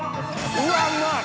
うわうまい！